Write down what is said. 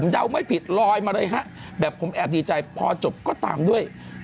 ดัวไม่ผิดอยู่เป็นรัวมาเลยแบบเขาแอบดีใจพอจบก็ตามด้วย